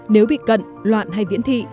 nếu bị cận loạn hay viễn thị